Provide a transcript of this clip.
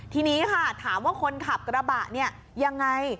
ทีนี้ค่ะถามว่าคนขับกระบะเนี่ยยังไง